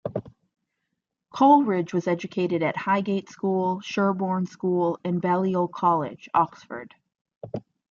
Coleridge was educated at Highgate School, Sherborne School and Balliol College, Oxford.